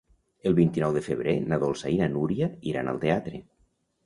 El vint-i-nou de febrer na Dolça i na Núria iran al teatre.